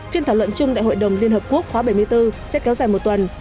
phiên thảo luận chung đại hội đồng liên hợp quốc khóa bảy mươi bốn sẽ kéo dài một tuần